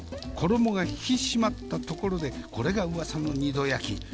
衣が引き締まったところでこれがうわさの二度焼き！